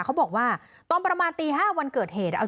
เขาบอกว่าตอนประมาณตี๕วันเกิดเหตุ